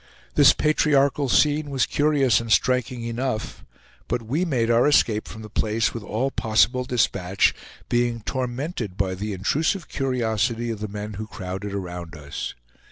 This patriarchal scene was curious and striking enough; but we made our escape from the place with all possible dispatch, being tormented by the intrusive curiosity of the men who crowded around us.